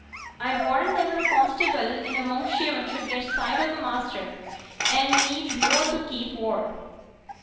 A'd warrant niver a constable i' a' Monkshaven should get sight o' t' maister, an' me below t' keep ward.'